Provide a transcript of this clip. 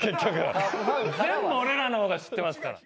全部俺らの方が知ってますから。